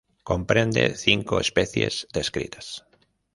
Comprende cinco especies descritas.